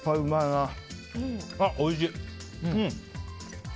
あ、おいしい！